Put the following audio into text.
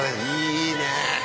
いいねぇ。